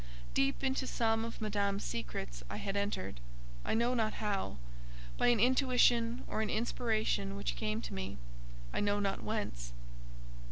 Deep into some of Madame's secrets I had entered—I know not how: by an intuition or an inspiration which came to me—I know not whence.